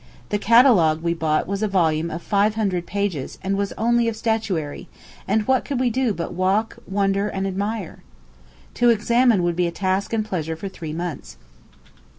The catalogue we bought was a volume of five hundred pages, and was only of statuary; and what could we do but walk, wonder, and admire? To examine would be a task and pleasure for three months.